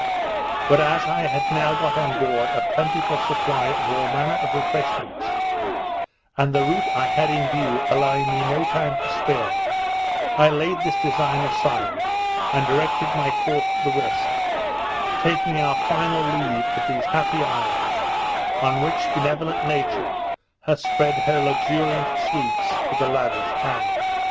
But as I had now got on board a plentiful supply of all manner of refreshments, and the route I had in view allowing me no time to spare, I laid this design aside, and directed my course to the west; taking our final leave of these happy isles, on which benevolent Nature has spread her luxuriant sweets with a lavish hand.